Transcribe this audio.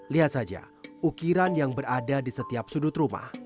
lihat saja ukiran yang berada di setiap sudut rumah